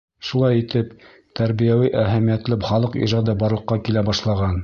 Шулай итеп, тәрбиәүи әһәмиәтле халыҡ ижады барлыҡҡа килә башлаған.